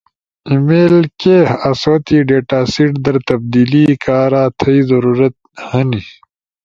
ای میل کے؟ آسو تی ڈیٹاسیٹ در تبدیلی کارا تھئی ضرورت اینی،